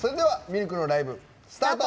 ＬＫ のライブ、スタート。